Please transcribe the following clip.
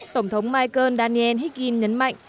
tổng thống michael daniel higgin nhấn mạnh